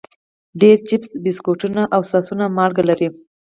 ډېری چپس، بسکټونه او ساسونه مالګه لري.